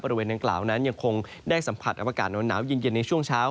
บริเวณดังกล่าวนั้นยังคงได้สัมผัสอากาศหนาวเย็นในช่วงเช้า